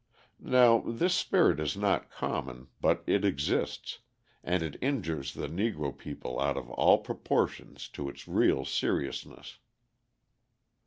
Now, this spirit is not common, but it exists, and it injures the Negro people out of all proportion to its real seriousness.